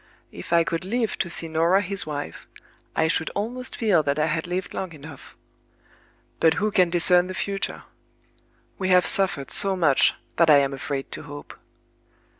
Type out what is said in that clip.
If I could live to see Norah his wife, I should almost feel that I had lived long enough. But who can discern the future? We have suffered so much that I am afraid to hope.